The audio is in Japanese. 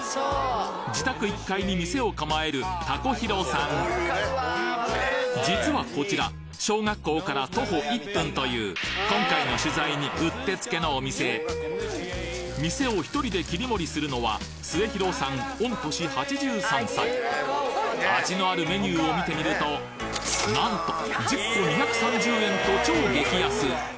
自宅１階に店を構えるたこひろさん実はこちら小学校から徒歩１分という今回の取材にうってつけのお店店を１人で切り盛りするのは味のあるメニューを見てみるとなんと１０個２３０円と超激安！